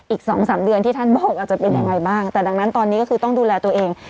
อีกสองสามเดือนที่ท่านบอกอาจจะเป็นยังไงบ้างแต่ดังนั้นตอนนี้ก็คือต้องดูแลตัวเอง